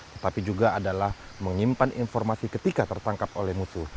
tetapi juga adalah menyimpan informasi ketika tertangkap oleh musuh